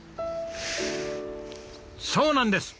そうなんです！